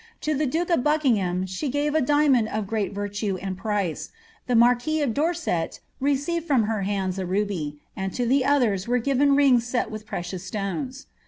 To the duke of Buckingham she gave a diamond of great virtue and price; the marquia of Dorset received from her hands a ruby, and to the others were given rings set with precious stones.